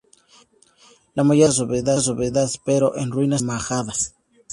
La mayoría de las casas abovedadas, pero en ruinas, sirven de majadas.